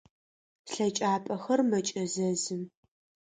Слъэкӏапӏэхэр мэкӏэзэзы.